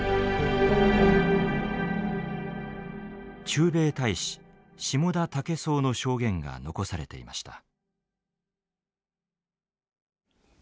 駐米大使下田武三の証言が残されていました。